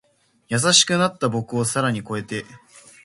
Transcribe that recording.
優しくなった僕を更に越えて